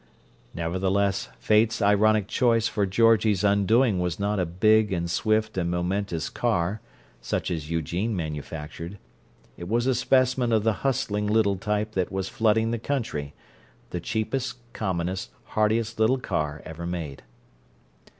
Nevertheless, Fate's ironic choice for Georgie's undoing was not a big and swift and momentous car, such as Eugene manufactured; it was a specimen of the hustling little type that was flooding the country, the cheapest, commonest, hardiest little car ever made.